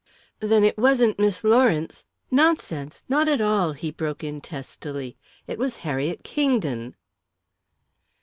"Then it wasn't Miss Lawrence " "Nonsense! Not at all!" he broke in testily. "It was Harriet Kingdon."